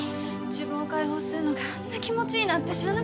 自分を開放するのがあんな気持ちいいなんて知らなかった。